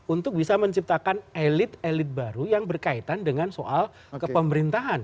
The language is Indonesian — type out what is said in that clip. untuk bisa menciptakan elit elit baru yang berkaitan dengan soal kepemerintahan